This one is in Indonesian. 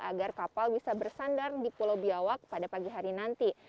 agar kapal bisa bersandar di pulau biawak pada pagi hari nanti